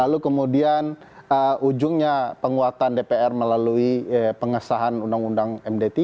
lalu kemudian ujungnya penguatan dpr melalui pengesahan undang undang md tiga